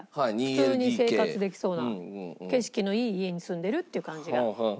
普通に生活できそうな景色のいい家に住んでるっていう感じが。